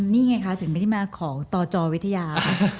นี่ไงคะจึงไม่ได้มาของตจวิทยา